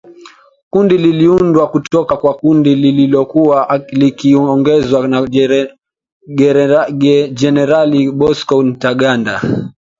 Kundi liliundwa kutoka kwa kundi lililokuwa likiongozwa na Generali Bosco Ntaganda.